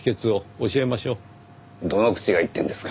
どの口が言ってんですか。